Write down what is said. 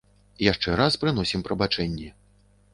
Яшчэ раз прыносім прабачэнні.